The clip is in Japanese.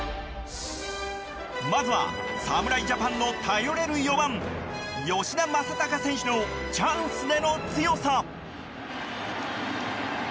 まずは、侍ジャパンの頼れる４番吉田正尚選手のチャンスでの強さ。